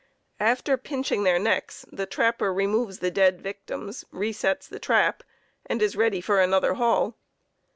After pinching their necks the trapper removes the dead victims, resets the trap, and is ready for another haul.